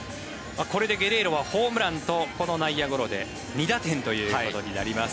これでゲレーロはホームランとこの内野ゴロで２打点ということになります。